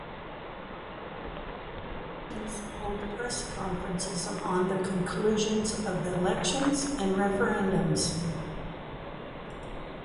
Observation missions hold press conferences on the conclusions of the elections and referendums.